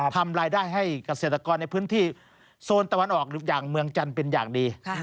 ทำรายได้ให้เกษตรกรในพื้นที่โซนตะวันออกอย่างเมืองจันทร์เป็นอย่างดี